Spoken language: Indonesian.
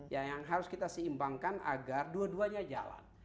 ya yang harus kita seimbangkan agar dua duanya jalan